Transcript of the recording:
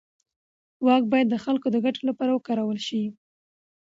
واک باید د خلکو د ګټو لپاره وکارول شي.